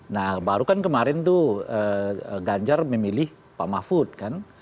nah baru kan kemarin tuh ganjar memilih pak mahfud kan